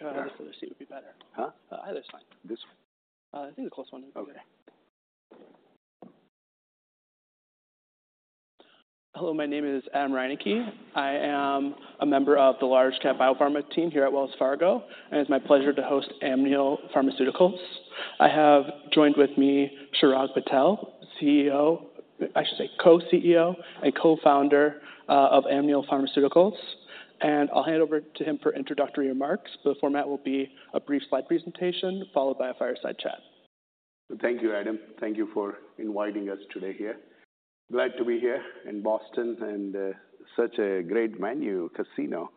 This other seat would be better. Huh? Either is fine. This one? I think the close one. Okay. Hello, my name is Adam Reineke. I am a member of the Large Cap Biopharma team here at Wells Fargo, and it's my pleasure to host Amneal Pharmaceuticals. I have joined with me, Chirag Patel, CEO, I should say, co-CEO and co-founder, of Amneal Pharmaceuticals. I'll hand over to him for introductory remarks. The format will be a brief slide presentation, followed by a fireside chat. Thank you, Adam. Thank you for inviting us today here. Glad to be here in Boston, and such a great venue, casino,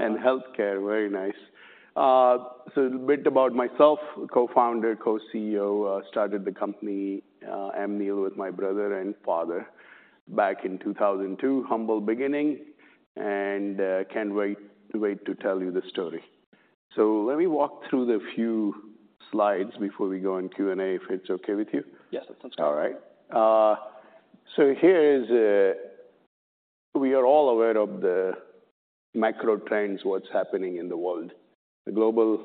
and healthcare, very nice. So a bit about myself, co-founder, co-CEO, started the company, Amneal, with my brother and father back in 2002. Humble beginning, and can't wait to tell you the story. So let me walk through the few slides before we go on Q&A, if it's okay with you. Yes, that sounds good. All right. So here is, we are all aware of the macro trends, what's happening in the world. The global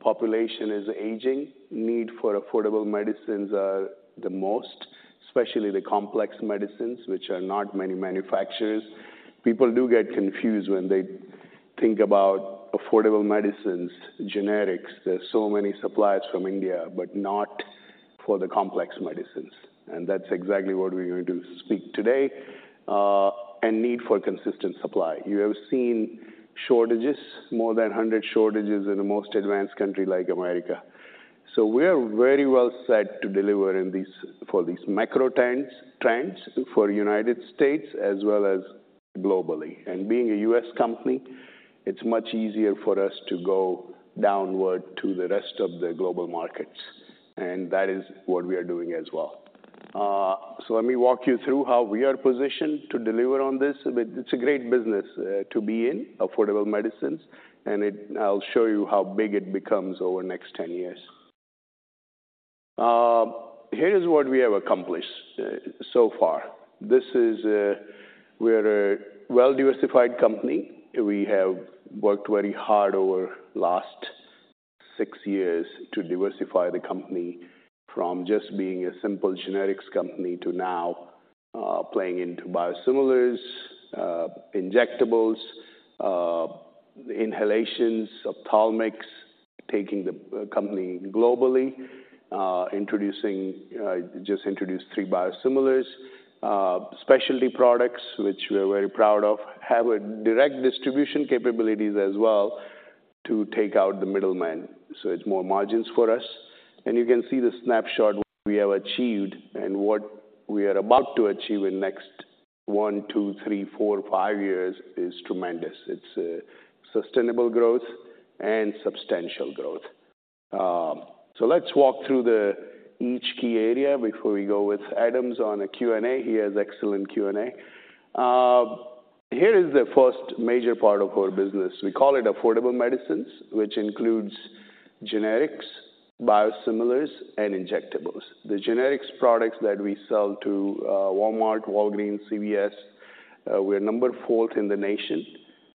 population is aging. Need for affordable medicines are the most, especially the complex medicines, which are not many manufacturers. People do get confused when they think about affordable medicines, generics. There's so many suppliers from India, but not for the complex medicines, and that's exactly what we're going to speak today, and need for consistent supply. You have seen shortages, more than 100 shortages in the most advanced country like America. So we are very well set to deliver for these macro trends, trends for United States as well as globally. And being a U.S. company, it's much easier for us to go downward to the rest of the global markets, and that is what we are doing as well. So let me walk you through how we are positioned to deliver on this. It's a great business to be in, affordable medicines, and I'll show you how big it becomes over the next 10 years. Here is what we have accomplished so far. This is, we're a well-diversified company. We have worked very hard over last six years to diversify the company from just being a simple generics company, to now, playing into biosimilars, injectables, inhalations, ophthalmics, taking the company globally, introducing, we just introduced three biosimilars, specialty products, which we are very proud of, have a direct distribution capabilities as well, to take out the middleman, so it's more margins for us. You can see the snapshot we have achieved and what we are about to achieve in next one, two, three, four, five years is tremendous. It's sustainable growth and substantial growth. So let's walk through each key area before we go with Adam's on a Q&A. He has excellent Q&A. Here is the first major part of our business. We call it Affordable Medicines, which includes generics, biosimilars, and injectables. The generics products that we sell to Walmart, Walgreens, CVS, we're number four in the nation.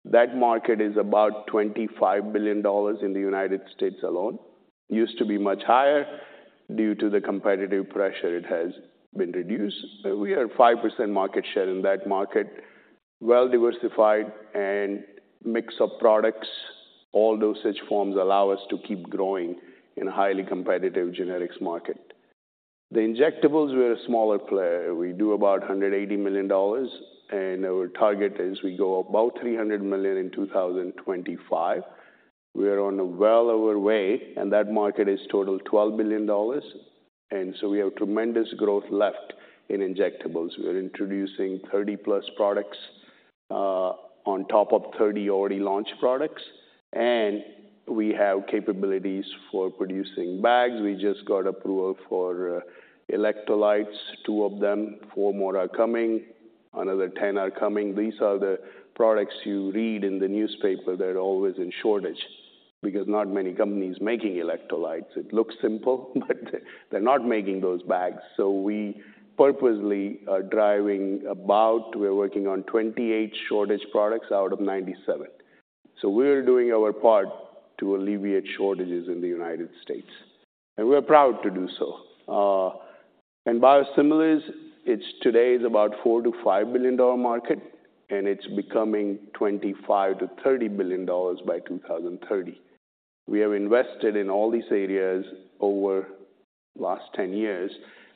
That market is about $25 billion in the United States alone. It used to be much higher. Due to the competitive pressure, it has been reduced. We are 5% market share in that market, well-diversified and mix of products. All dosage forms allow us to keep growing in a highly competitive generics market. The injectables, we're a smaller player. We do about $180 million, and our target is we go about $300 million in 2025. We are well on our way, and that market is total $12 billion, and so we have tremendous growth left in injectables. We are introducing 30+ products on top of 30 already launched products, and we have capabilities for producing bags. We just got approval for electrolytes, two of them. four more are coming, another 10 are coming. These are the products you read in the newspaper that are always in shortage, because not many companies making electrolytes. It looks simple, but they're not making those bags, so we purposely are driving about. We're working on 28 shortage products out of 97. So we're doing our part to alleviate shortages in the United States, and we're proud to do so. And biosimilars, it's today is about $4 billion to $5 billion market, and it's becoming $25 billion to $30 billion by 2030. We have invested in all these areas over last 10 years,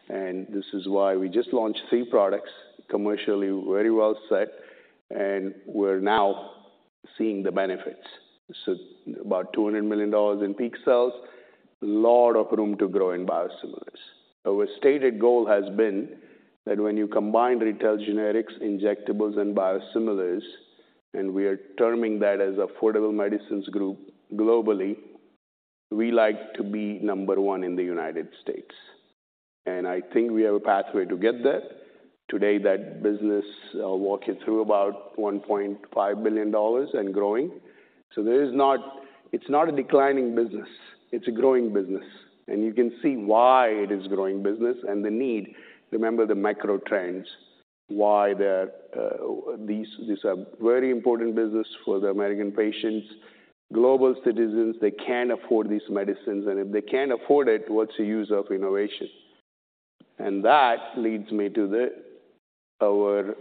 and this is why we just launched three products, commercially, very well set, and we're now seeing the benefits. So about $200 million in peak sales. A lot of room to grow in biosimilars. Our stated goal has been that when you combine retail generics, injectables, and biosimilars, and we are terming that as Affordable Medicines Group, globally, we like to be number one in the United States, and I think we have a pathway to get there. Today, that business, I'll walk you through, about $1.5 billion and growing. So it's not a declining business, it's a growing business, and you can see why it is growing business and the need. Remember the macro trends, why these are very important business for the American patients. Global citizens, they can't afford these medicines, and if they can't afford it, what's the use of innovation? And that leads me to our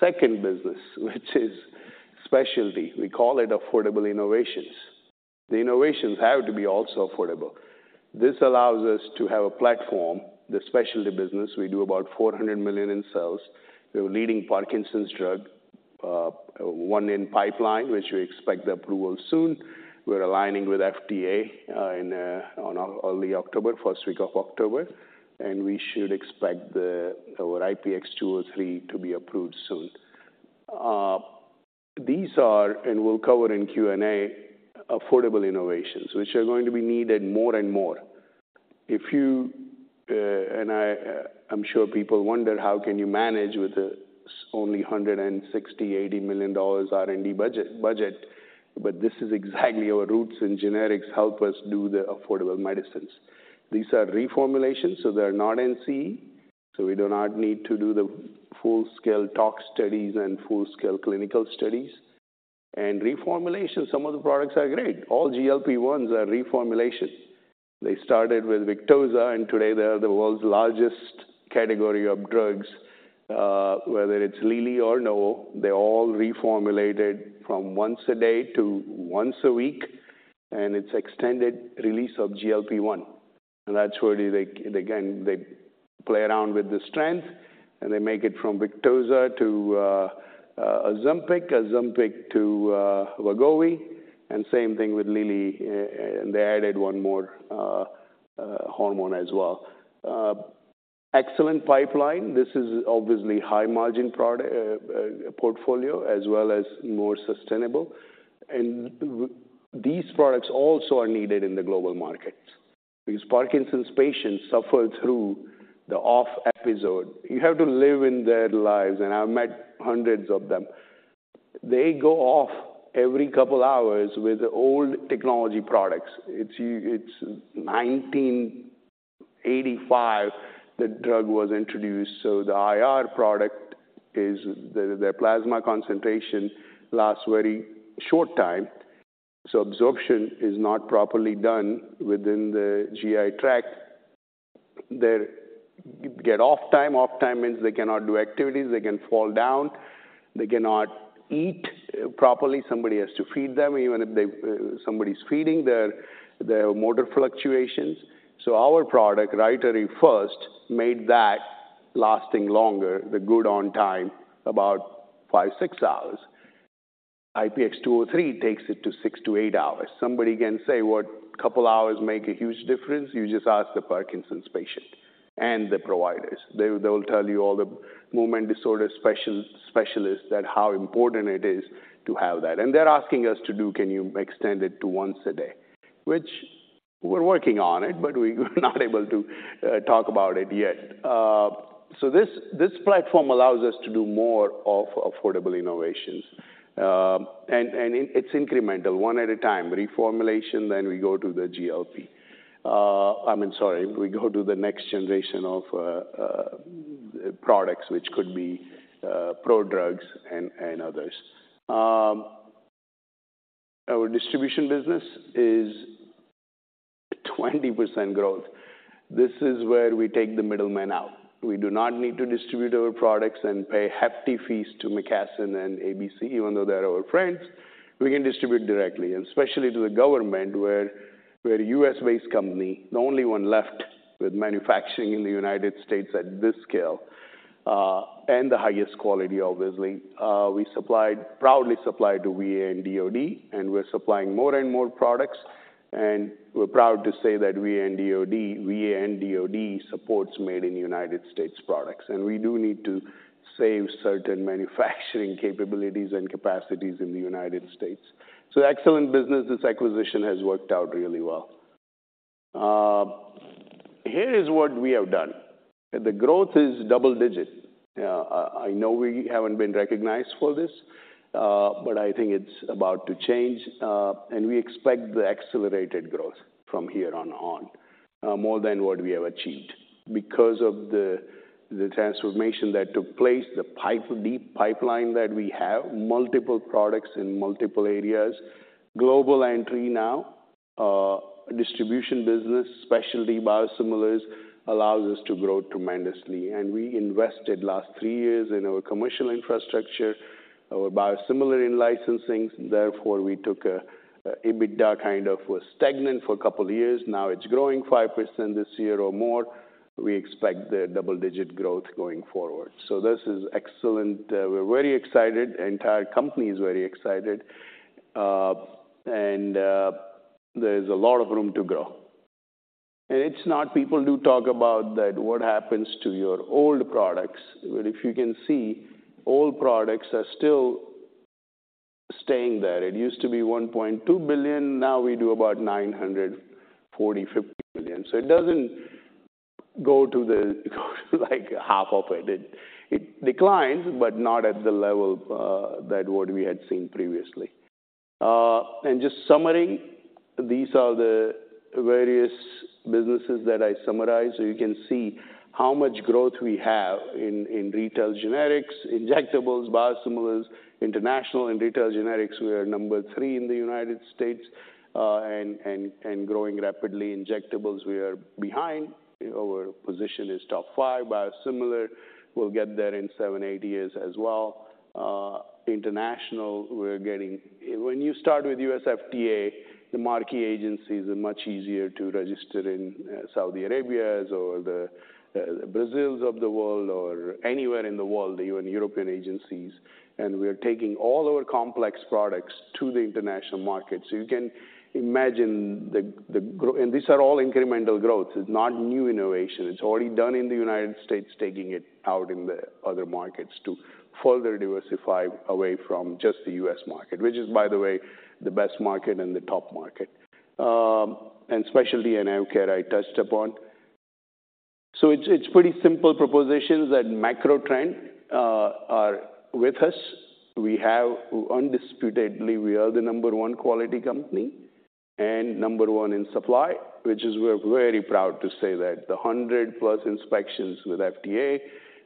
second business, which is specialty. We call it affordable innovations. The innovations have to be also affordable. This allows us to have a platform. The specialty business, we do about $400 million in sales. We have a leading Parkinson's drug, one in pipeline, which we expect the approval soon. We're aligning with FDA in early October, first week of October, and we should expect our IPX203 to be approved soon. These are, and we'll cover in Q&A, affordable innovations, which are going to be needed more and more. If you and I'm sure people wonder, how can you manage with only $160 million-$180 million R&D budget? But this is exactly our roots, and generics help us do the affordable medicines. These are reformulations, so they're not NC. So we do not need to do the full-scale tox studies and full-scale clinical studies. And reformulation, some of the products are great. All GLP-1s are reformulation. They started with Victoza, and today they are the world's largest category of drugs. Whether it's Lilly or Novo, they all reformulated from once a day to once a week, and it's extended release of GLP-1. That's where they again play around with the strength, and they make it from Victoza to Ozempic, Ozempic to Wegovy, and same thing with Lilly, and they added one more hormone as well. Excellent pipeline. This is obviously high margin portfolio, as well as more sustainable. And these products also are needed in the global markets, because Parkinson's patients suffer through the off episode. You have to live in their lives and I've met hundreds of them. They go off every couple hours with the old technology products. It's 1985, the drug was introduced, so the IR product is the plasma concentration, lasts very short time, so absorption is not properly done within the GI tract. They get off time. Off time means they cannot do activities, they can fall down, they cannot eat properly. Somebody has to feed them, even if somebody's feeding them, there are motor fluctuations. So our product, Rytary first, made that lasting longer, the good on time, about five to six hours. IPX203 takes it to six to eight hours. Somebody can say, "What? Couple hours make a huge difference?" You just ask the Parkinson's patient and the providers. They, they'll tell you, all the movement disorder specialists, that how important it is to have that. And they're asking us to do, "Can you extend it to once a day?" Which we're working on it, but we are not able to talk about it yet. So this platform allows us to do more of affordable innovations. And it’s incremental, one at a time. Reformulation, then we go to the GLP. I mean, sorry, we go to the next generation of products, which could be pro drugs and others. Our distribution business is 20% growth. This is where we take the middleman out. We do not need to distribute our products and pay hefty fees to McKesson and ABC, even though they're our friends. We can distribute directly, and especially to the government, where we're a U.S.-based company, and the only one left with manufacturing in the United States at this scale, and the highest quality, obviously. We supplied, proudly supplied to VA and DOD, and we're supplying more and more products, and we're proud to say that VA and DOD supports Made in the United States products, and we do need to save certain manufacturing capabilities and capacities in the United States. So excellent business. This acquisition has worked out really well. Here is what we have done. The growth is double-digits. I know we haven't been recognized for this, but I think it's about to change, and we expect the accelerated growth from here on, more than what we have achieved because of the transformation that took place, the deep pipeline that we have, multiple products in multiple areas. Global entry now, distribution business, specialty biosimilars, allows us to grow tremendously. And we invested last three years in our commercial infrastructure, our biosimilar in licensing. Therefore, EBITDA kind of was stagnant for a couple of years. Now it's growing 5% this year or more. We expect the double-digit growth going forward. So this is excellent. We're very excited. The entire company is very excited, and there's a lot of room to grow. It's not, people do talk about that, what happens to your old products? But if you can see, old products are still staying there. It used to be $1.2 billion, now we do about $945 billion. So it doesn't go to like half of it. It declines, but not at the level that what we had seen previously. And just summary, these are the various businesses that I summarized, so you can see how much growth we have in retail generics, injectables, biosimilars, international and retail generics. We are number three in the United States and growing rapidly. Injectables, we are behind. Our position is top five. Biosimilar, we'll get there in seven to eight years as well. International, we're getting and when you start with USFDA, the marquee agencies are much easier to register in Saudi Arabias or the Brazils of the world or anywhere in the world, even European agencies. And we are taking all our complex products to the international market. So you can imagine the growth. And these are all incremental growth. It's not new innovation. It's already done in the United States, taking it out in the other markets to further diversify away from just the U.S. market, which is, by the way, the best market and the top market. And specialty and eye care I touched upon. So it's pretty simple propositions, that macro trend are with us. We have, undisputedly, we are the number one quality company and number one in supply, which is, we're very proud to say that. The 100+ inspections with FDA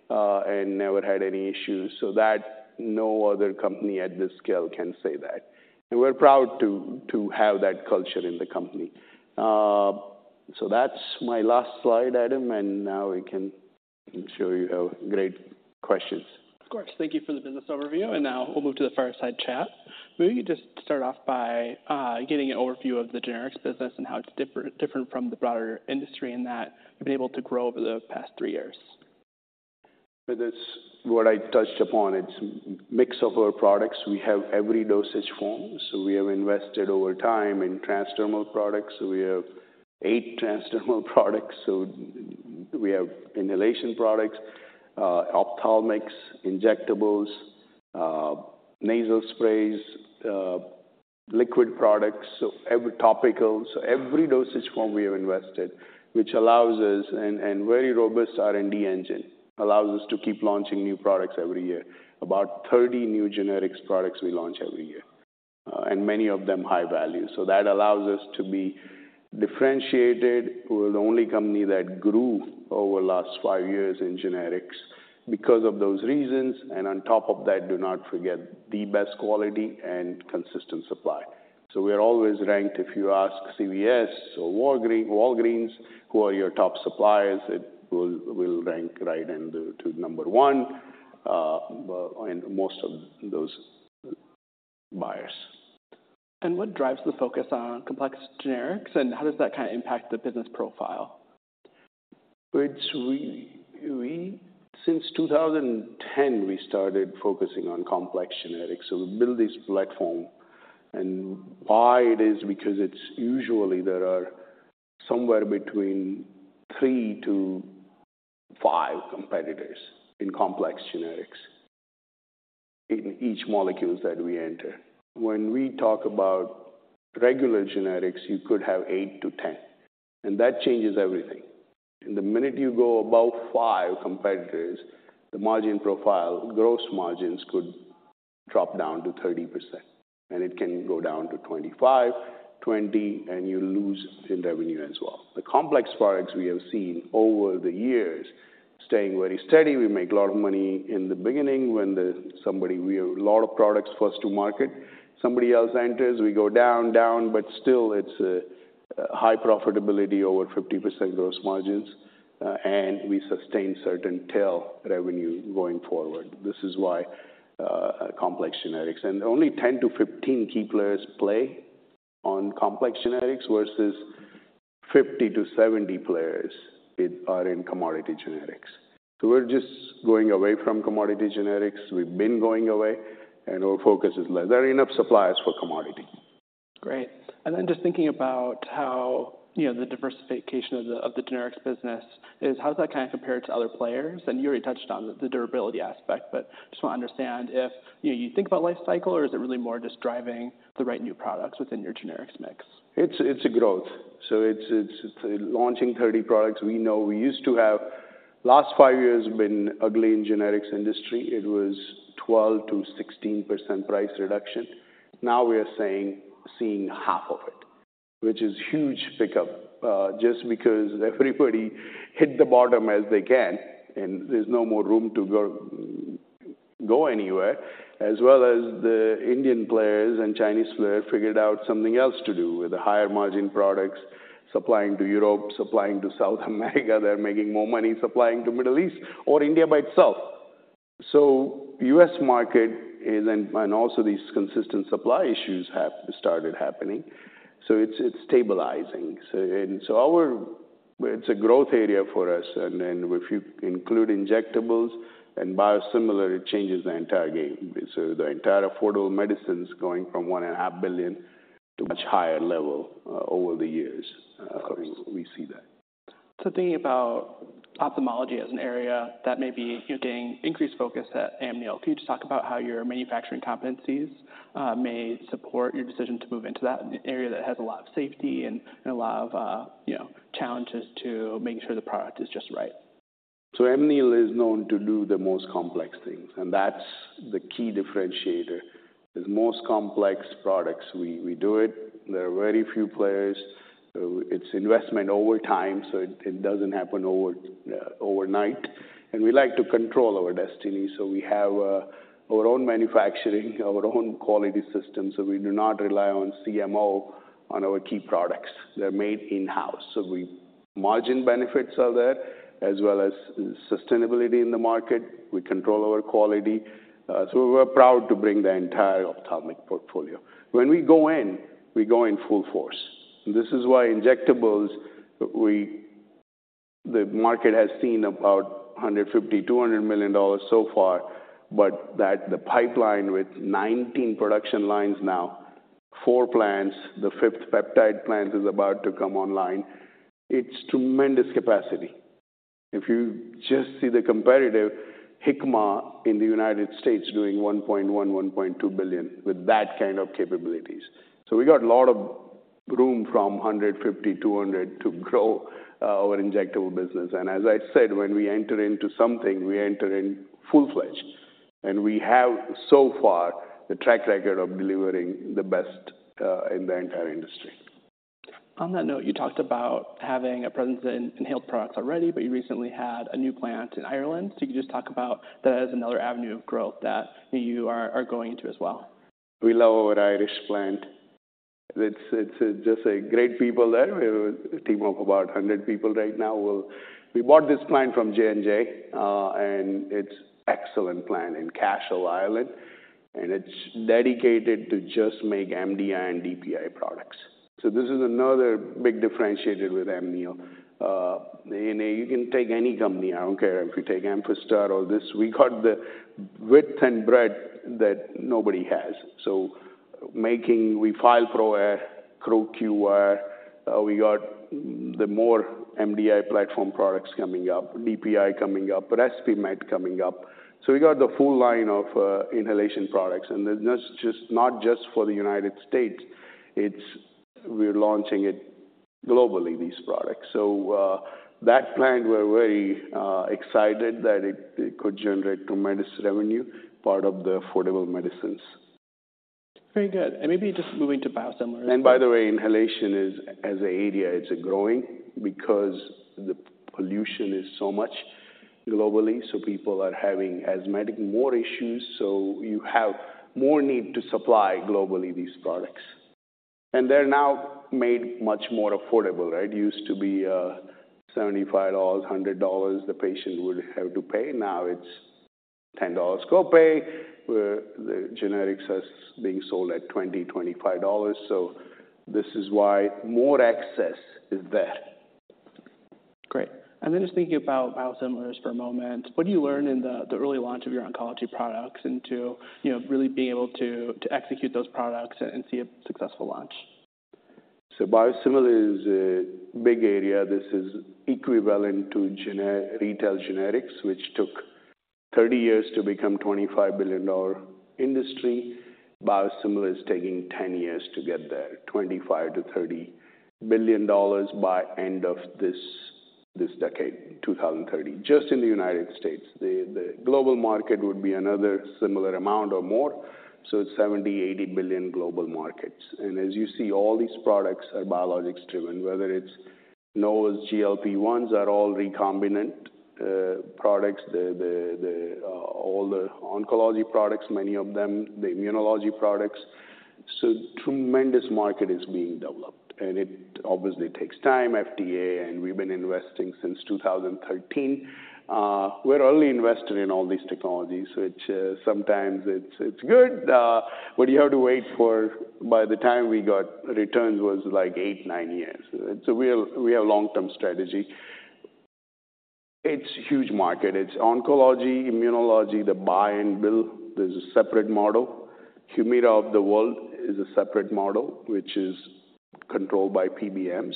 and never had any issues, so that no other company at this scale can say that. And we're proud to, to have that culture in the company. So that's my last slide, Adam, and now we can, I'm sure you have great questions. Of course. Thank you for the business overview, and now we'll move to the fireside chat. Maybe you could just start off by giving an overview of the generics business and how it's different from the broader industry, and that you've been able to grow over the past three years. That's what I touched upon. It's mix of our products. We have every dosage form, so we have invested over time in transdermal products. So we have eight transdermal products. So we have inhalation products, ophthalmics, injectables, nasal sprays, liquid products, so every topicals. So every dosage form we have invested, which allows us, and very robust R&D engine, allows us to keep launching new products every year. About 30 new generics products we launch every year, and many of them high value. So that allows us to be differentiated. We're the only company that grew over the last five years in generics because of those reasons, and on top of that, do not forget, the best quality and consistent supply. We are always ranked, if you ask CVS or Walgreens, "Who are your top suppliers?" It will rank right into number one in most of those buyers. What drives the focus on complex generics and how does that kind of impact the business profile? Since 2010, we started focusing on complex generics, so we build this platform. And why? It is because it's usually there are somewhere between three to five competitors in complex generics in each molecules that we enter. When we talk about regular generics, you could have eight to 10, and that changes everything. And the minute you go above five competitors, the margin profile, gross margins, could drop down to 30%, and it can go down to 25%, 20%, and you lose in revenue as well. The complex products we have seen over the years staying very steady. We make a lot of money in the beginning when the somebody. We have a lot of products first to market. Somebody else enters, we go down, down, but still it's a high profitability, over 50% gross margins, and we sustain certain tail revenue going forward. This is why complex generics. And only 10 to 15 key players play on complex generics, versus 50 to 70 players are in commodity generics. So we're just going away from commodity generics. We've been going away, and our focus is less. There are enough suppliers for commodity. Great. And then just thinking about how, you know, the diversification of the generics business is, how does that kind of compare to other players? And you already touched on the durability aspect, but just want to understand if, you know, you think about life cycle, or is it really more just driving the right new products within your generics mix? It's a growth. So it's launching 30 products. We know we used to have last five years been ugly in generics industry. It was 12% to 16% price reduction. Now we are seeing half of it, which is huge pickup, just because everybody hit the bottom as they can, and there's no more room to go anywhere. As well as the Indian players and Chinese players figured out something else to do with the higher margin products, supplying to Europe, supplying to South America. They're making more money supplying to Middle East or India by itself. So U.S. market is, and also these consistent supply issues have started happening, so it's stabilizing. So it's a growth area for us, and then if you include injectables and biosimilar, it changes the entire game. So the entire affordable medicines going from $1.5 billion to much higher level over the years. Of course, we see that. Thinking about ophthalmology as an area that may be getting increased focus at Amneal, can you just talk about how your manufacturing competencies may support your decision to move into that area that has a lot of safety and a lot of, you know, challenges to making sure the product is just right? So Amneal is known to do the most complex things, and that's the key differentiator. The most complex products, we do it. There are very few players. So it's investment over time, so it doesn't happen overnight. And we like to control our destiny, so we have our own manufacturing, our own quality system, so we do not rely on CMO on our key products. They're made in-house. So we margin benefits are there, as well as sustainability in the market. We control our quality, so we're proud to bring the entire ophthalmic portfolio. When we go in, we go in full force. This is why injectables, the market has seen about $150 million-$200 million so far, but that, the pipeline with 19 production lines now, four plants, the fifth peptide plant is about to come online. It's tremendous capacity. If you just see the competitive, Hikma in the United States doing $1.1 billion-$1.2 billion with that kind of capabilities. So we got a lot of room from $150 million-$200 million to grow our injectable business. As I said, when we enter into something, we enter in full-fledged, and we have so far the track record of delivering the best in the entire industry. On that note, you talked about having a presence in inhaled products already, but you recently had a new plant in Ireland. So you could just talk about that as another avenue of growth that you are going into as well. We love our Irish plant. It's just a great people there. We have a team of about 100 people right now. We bought this plant from J&J, and it's excellent plant in Cashel, Ireland, and it's dedicated to just make MDI and DPI products. So this is another big differentiator with Amneal. And you can take any company, I don't care if you take Amphastar or this, we got the width and breadth that nobody has. So making, we file ProAir, QVAR, we got the more MDI platform products coming up, DPI coming up, Respimat coming up. So we got the full line of, inhalation products, and it's just not just for the United States, we're launching it globally, these products. That plant, we're very excited that it could generate tremendous revenue, part of the affordable medicines. Very good. Maybe just moving to biosimilar. And by the way, inhalation is, as an area, it's growing because the pollution is so much globally, so people are having asthmatic, more issues, so you have more need to supply globally these products. And they're now made much more affordable, right? It used to be $75, $100 the patient would have to pay. Now it's $10 copay, where the generics are being sold at $20, $25. So this is why more access is there. Great. And then just thinking about biosimilars for a moment, what do you learn in the early launch of your oncology products into, you know, really being able to execute those products and see a successful launch? So biosimilar is a big area. This is equivalent to retail generics, which took 30 years to become $25 billion industry. Biosimilar is taking 10 years to get there, $25 billion to $30 billion by end of this, this decade, 2030, just in the United States. The global market would be another similar amount or more, so it's $70 billion-$80 billion global markets. And as you see, all these products are biologics-driven, whether it's Novo's GLP-1s are all recombinant products. All the oncology products, many of them, the immunology products. So tremendous market is being developed, and it obviously takes time, FDA, and we've been investing since 2013. We're early investor in all these technologies, which sometimes it's good, but you have to wait for it. By the time we got returns, it was like eight, nine years. So we have, we have long-term strategy. It's huge market. It's oncology, immunology, the buy-and-bill, there's a separate model. Humira of the world is a separate model, which is controlled by PBMs.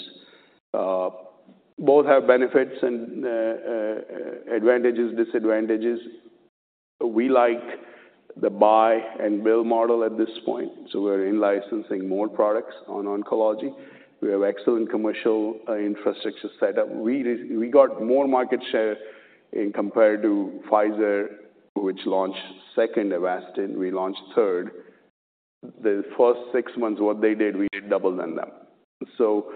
Both have benefits and advantages, disadvantages. We like the buy-and-bill model at this point, so we're in licensing more products on oncology. We have excellent commercial infrastructure set up. We got more market share and compared to Pfizer, which launched second Avastin, we launched third. The first six months, what they did, we did double than them. So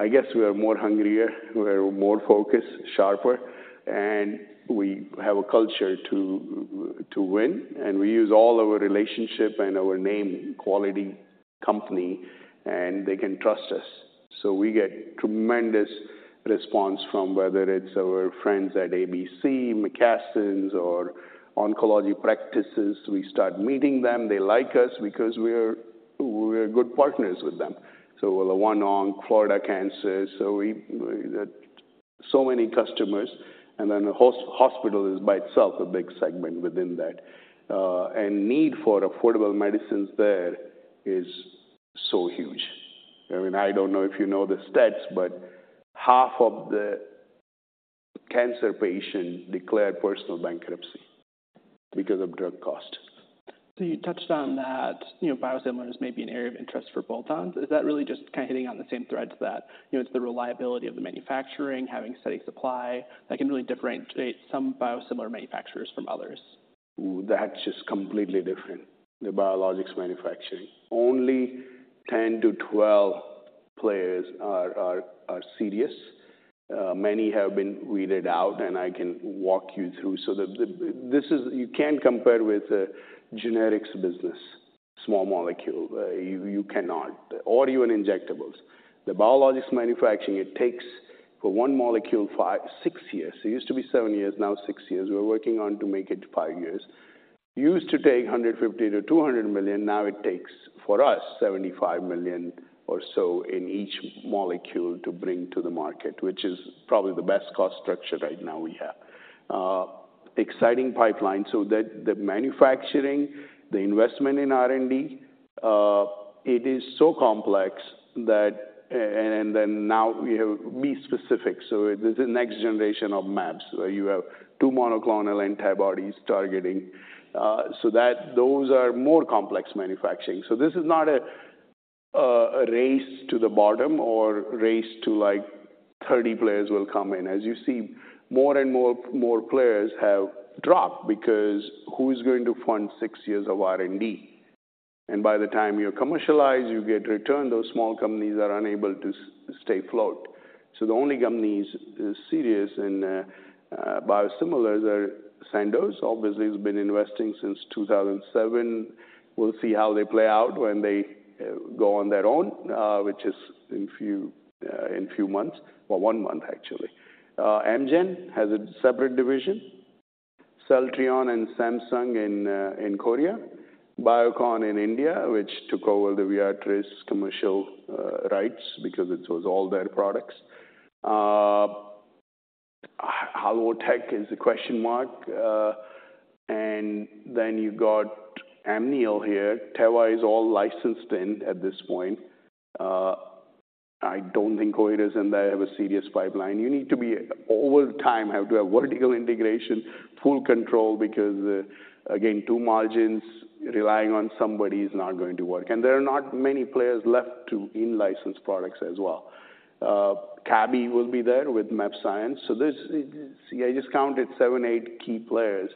we are more hungrier, we are more focused, sharper, and we have a culture to win, and we use all our relationship and our name, quality company, and they can trust us. So we get tremendous response from whether it's our friends at ABC, McKesson, or oncology practices. We start meeting them. They like us because we are good partners with them. So OneOncology, Florida Cancer, so that so many customers, and then a hospital is by itself a big segment within that. And need for affordable medicines there is so huge. I mean, I don't know if you know the stats, but half of the cancer patient declared personal bankruptcy because of drug cost. So you touched on that, you know, biosimilars may be an area of interest for bolt-ons. Is that really just kind of hitting on the same threads that, you know, it's the reliability of the manufacturing, having steady supply that can really differentiate some biosimilar manufacturers from others? That's just completely different. The Biologics manufacturing, only 10 to 12 players are serious. Many have been weeded out, and I can walk you through. So this is, you can't compare with the Generics business, small molecule, you cannot, or even Injectables. The Biologics manufacturing, it takes, for one molecule, five, six years. It used to be seven years, now six years. We're working on to make it five years. Used to take $150 million-$200 million, now it takes, for us, $75 million or so in each molecule to bring to the market, which is probably the best cost structure right now we have. Exciting pipeline, so that the manufacturing, the investment in R&D, it is so complex that, and then now we have bi-specific. So it is the next generation of maps, where you have two monoclonal antibodies targeting. So that, those are more complex manufacturing. So this is not a race to the bottom or race to, like, 30 players will come in. As you see, more and more players have dropped because who is going to fund six years of R&D? And by the time you commercialize, you get return, those small companies are unable to stay afloat. So the only companies serious in biosimilars are Sandoz. Obviously, it's been investing since 2007. We'll see how they play out when they go on their own, which is in few months, or one month, actually. Amgen has a separate division. Celltrion and Samsung in Korea. Biocon in India, which took over the Viatris commercial rights because it was all their products. Alvotech is a question mark. And then you've got Amneal here. Teva is all licensed in at this point. I don't think Reddy's and they have a serious pipeline. You need to be, over time, have to have vertical integration, full control, because, again, two margins, relying on somebody is not going to work. And there are not many players left to in-license products as well. Kabi will be there with mAbxience. So there's, see, I just counted seven, eight key players,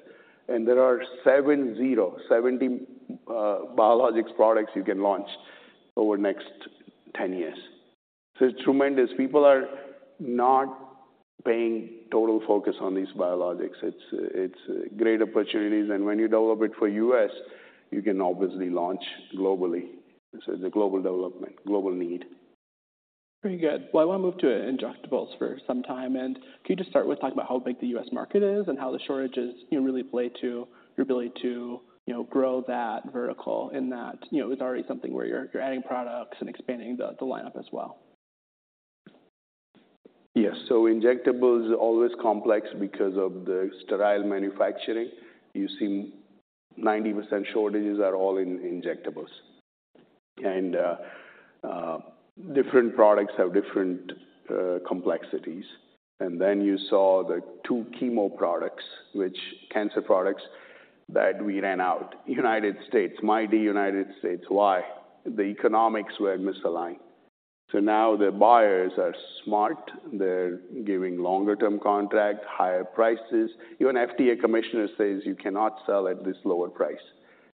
and there are 7-0, 70 biologics products you can launch over the next 10 years. So it's tremendous. People are not paying total focus on these biologics. It's great opportunities, and when you develop it for U.S., you can obviously launch globally. So it's a global development, global need. Very good. Well, I want to move to injectables for some time, and can you just start with talking about how big the U.S. market is and how the shortages, you know, really play to your ability to, you know, grow that vertical, in that, you know, it's already something where you're adding products and expanding the lineup as well? Yes. So injectable is always complex because of the sterile manufacturing. You see, 90% shortages are all in injectables, and different products have different complexities. And then you saw the two chemo products, which cancer products, that we ran out. United States, mighty United States. Why? The economics were misaligned. So now the buyers are smart. They're giving longer term contract, higher prices. Even FDA commissioner says you cannot sell at this lower price.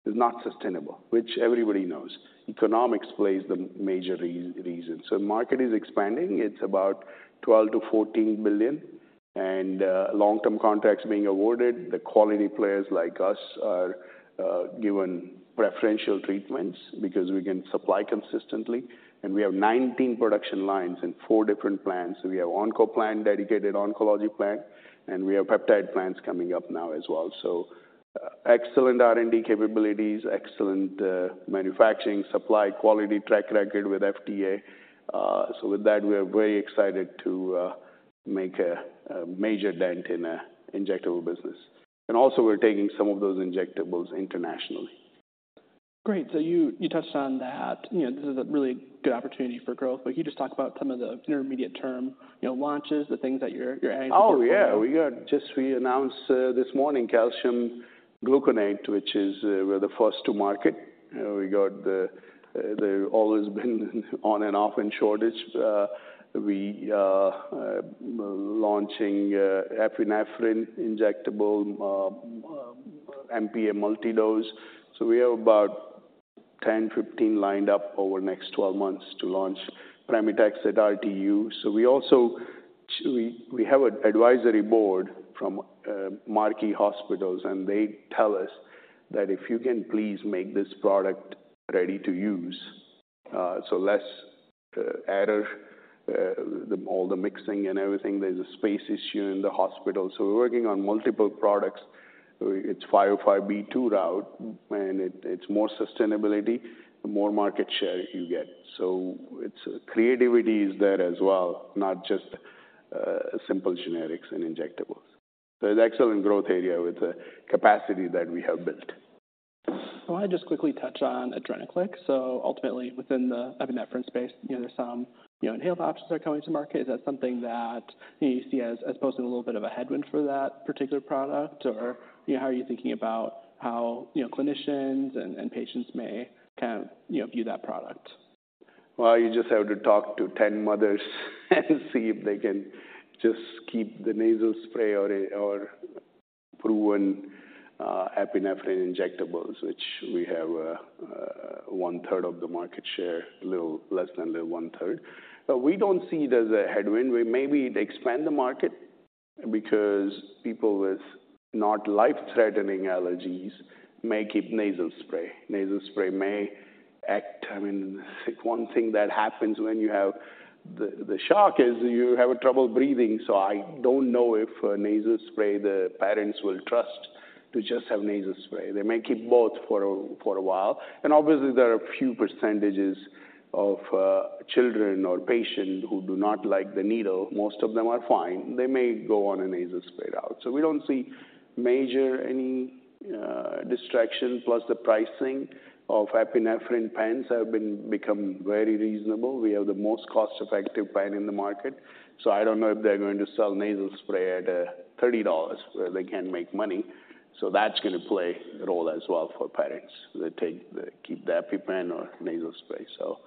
It's not sustainable, which everybody knows. Economics plays the major reason. So market is expanding. It's about $12 billion-$14 billion, and long-term contracts being awarded. The quality players like us are given preferential treatments because we can supply consistently, and we have 19 production lines in four different plants. So we have Onco plant, dedicated oncology plant, and we have peptide plants coming up now as well. So excellent R&D capabilities, excellent manufacturing, supply, quality, track record with FDA. So with that, we are very excited to make a major dent in injectable business. And also we're taking some of those injectables internationally. Great. So you touched on that. You know, this is a really good opportunity for growth, but can you just talk about some of the intermediate term, you know, launches, the things that you're, you're adding? Oh, yeah. We just announced this morning Calcium Gluconate, which is, we're the first to market. We got the always been on and off in shortage. We are launching epinephrine injectable ampoule multidose. So we have about 10-15 lined up over the next 12 months to launch Pemetrexed at RTU. So we also have an advisory board from marquee hospitals, and they tell us that if you can please make this product ready to use, so less error, all the mixing and everything. There's a space issue in the hospital. So we're working on multiple products. It's 505(b)(2) route, and it's more sustainability, the more market share you get. So it's creativity is there as well, not just simple generics and injectables. It's excellent growth area with the capacity that we have built. I want to just quickly touch on Adrenaclick. So ultimately, within the epinephrine space, you know, there's some, you know, inhaled options that are coming to market. Is that something that you see as opposed to a little bit of a headwind for that particular product or, you know, how are you thinking about how, you know, clinicians and patients may kind of, you know, view that product? Well, you just have to talk to 10 mothers and see if they can just keep the nasal spray or proven epinephrine injectables, which we have one-third of the market share, a little less than the one-third. But we don't see it as a headwind. We maybe expand the market because people with not life-threatening allergies may keep nasal spray. Nasal spray may act. I mean, one thing that happens when you have the shock is you have a trouble breathing, so I don't know if a nasal spray, the parents will trust to just have nasal spray. They may keep both for a while, and obviously there are a few percentages of children or patients who do not like the needle. Most of them are fine. They may go on a nasal spray out. So we don't see, major, any distraction. Plus, the pricing of epinephrine pens have been become very reasonable. We have the most cost-effective pen in the market, so I don't know if they're going to sell nasal spray at $30 where they can make money. So that's going to play a role as well for parents. They take the, keep the EpiPen or nasal spray. So,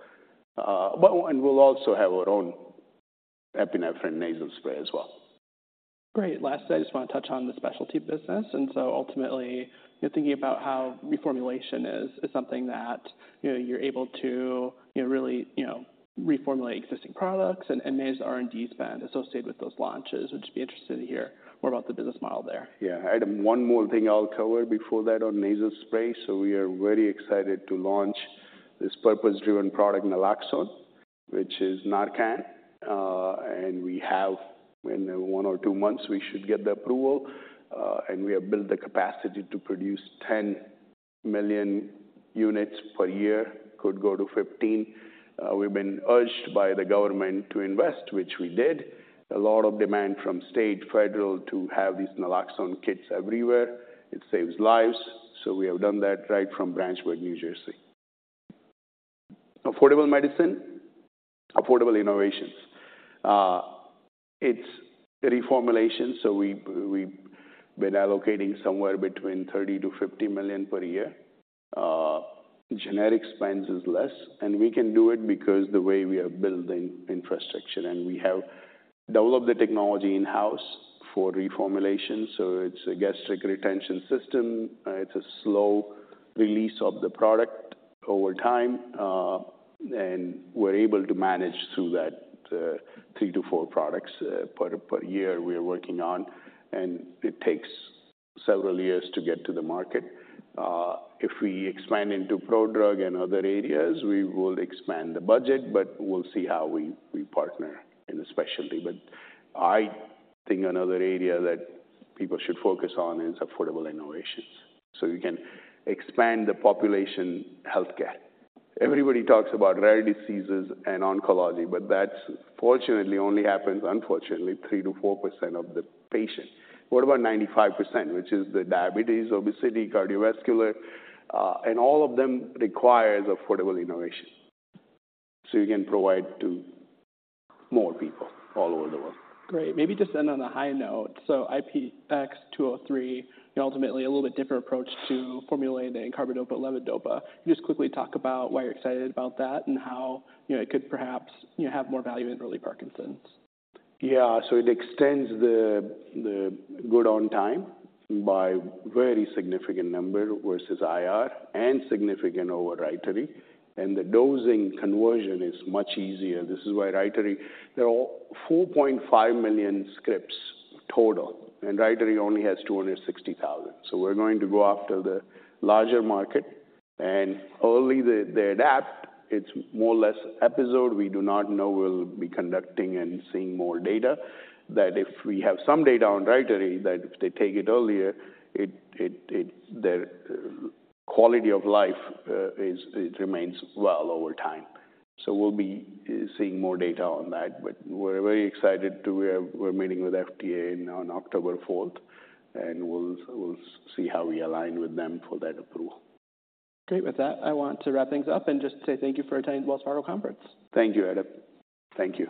and we'll also have our own epinephrine nasal spray as well. Great. Last, I just want to touch on the specialty business, and so ultimately, you're thinking about how reformulation is something that, you know, you're able to, you know, really, you know, reformulate existing products and manage the R&D spend associated with those launches. I'd just be interested to hear more about the business model there. Yeah, I had one more thing I'll cover before that on nasal spray. So we are very excited to launch this purpose-driven product, Naloxone, which is Narcan, and we have, in one or two months, we should get the approval, and we have built the capacity to produce 10 million units per year. It could go to 15. We've been urged by the government to invest, which we did. A lot of demand from state, federal to have these Naloxone kits everywhere. It saves lives, so we have done that right from Branchburg, New Jersey. Affordable medicine Aaffordable innovations. It's a reformulation, so we, we've been allocating somewhere between $30 million-$50 million per year. Generic spends is less, and we can do it because the way we are building infrastructure and we have developed the technology in-house for reformulation. So it's a gastric retention system. It's a slow release of the product over time, and we're able to manage through that, three to four products per year we are working on, and it takes several years to get to the market. If we expand into pro-drug and other areas, we will expand the budget, but we'll see how we, we partner in the specialty. But I think another area that people should focus on is affordable innovations. So you can expand the population healthcare. Everybody talks about rare diseases and oncology, but that's fortunately only happens, unfortunately, 3% to 4% of the patient. What about 95%, which is the diabetes, obesity, cardiovascular, and all of them requires affordable innovation, so you can provide to more people all over the world. Great. Maybe just end on a high note. So IPX203, ultimately a little bit different approach to formulating carbidopa/levodopa. Just quickly talk about why you're excited about that and how, you know, it could perhaps, you know, have more value in early Parkinson's. Yeah, so it extends the good on time by very significant number versus IR and significant over Rytary, and the dosing conversion is much easier. This is why Rytary, there are 4.5 million scripts total, and Rytary only has 260,000. So we're going to go after the larger market, and only the adapt, it's more or less episode. We do not know. We'll be conducting and seeing more data, that if we have some data on Rytary, that if they take it earlier, their quality of life is, it remains well over time. So we'll be seeing more data on that, but we're very excited to we're, we're meeting with FDA on October 4th, and we'll see how we align with them for that approval. Great. With that, I want to wrap things up and just say thank you for attending the Wells Fargo Conference. Thank you, Adam. Thank you.